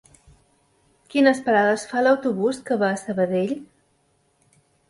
Quines parades fa l'autobús que va a Sabadell?